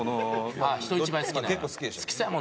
人一倍好きなんや。